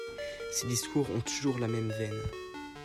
Ses discours ont toujours la même veine.